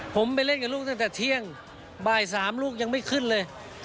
ผมไปเล่นกับลูกตั้งแต่เที่ยงบ่าย๓ลูกยังไม่ขึ้นเลย